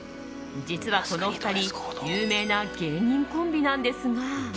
実は、このお二人有名な芸人コンビなんですが。